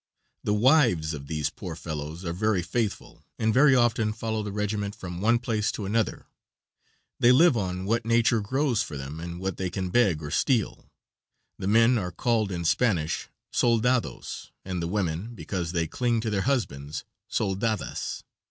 The wives of these poor fellows are very faithful, and very often follow the regiment from one place to another; they live on what nature grows for them and what they can beg or steal; the men are called in Spanish "soldados," and the women, because they cling to their husbands, "soldadas."